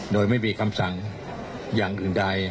โดยไม่มีคำสั่งอย่างอื่นใด